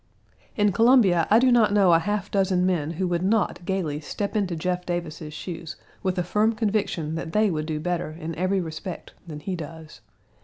In Columbia I do not know a half dozen men who would not gaily step into Jeff Davis's shoes with a firm conviction that they would do better in every respect than he does.